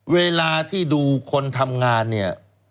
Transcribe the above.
เวลาที่ดูคนทำงานเนี่ย